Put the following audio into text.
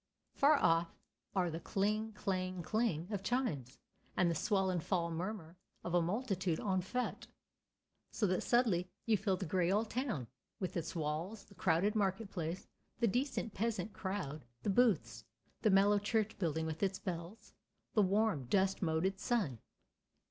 Far off are the cling clang cling of chimes and the swell and fall murmur of a multitude en fête, so that subtly you feel the gray old town, with its walls, the crowded market place, the decent peasant crowd, the booths, the mellow church building with its bells, the warm, dust moted sun.